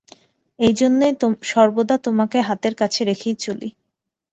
এইজন্যে সর্বদা তোমাকে হাতের কাছে রেখেই চলি।